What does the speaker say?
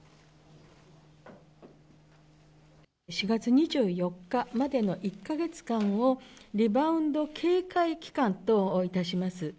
４月２４日までの１か月間を、リバウンド警戒期間といたします。